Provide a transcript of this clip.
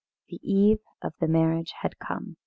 The eve of the marriage had come.